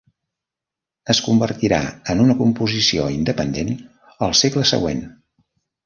Es convertirà en una composició independent al segle següent.